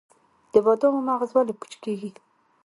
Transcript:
د بادامو مغز ولې پوچ کیږي؟